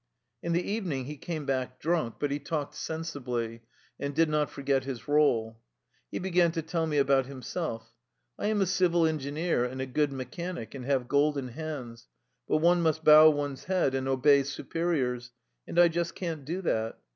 In the evening he came back drunk, but he talked sensibly, and did not forget his role. He began to tell me about him self: " I am a civil engineer and a good mechanic, and have ' golden hands,' but one must bow one's head and obey superiors, and I just can't do that.